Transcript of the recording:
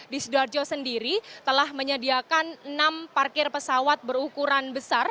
di sidoarjo sendiri telah menyediakan enam parkir pesawat berukuran besar